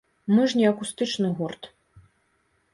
Мы ж не акустычны гурт.